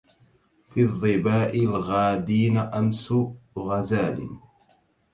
في الظباء الغادين أمس غزال